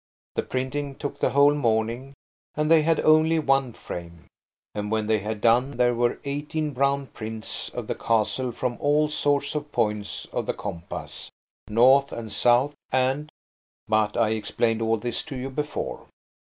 The printing took the whole morning, and they had only one frame. And when they had done there were eighteen brown prints of the castle from all sorts of points of the compass–north and south and–but I explained all this to you before.